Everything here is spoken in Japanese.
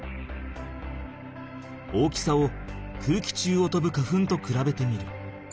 大きさを空気中をとぶ花粉とくらべてみる。